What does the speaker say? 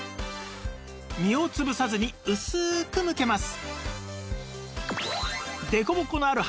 身を潰さずに薄くむけます